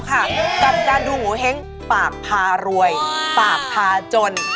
กับการดูโงเห้งปากพารวยปากพาจน